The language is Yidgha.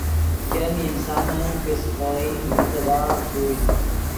ګیم انسانن کہ سے خوئن اعتبار ݰوئے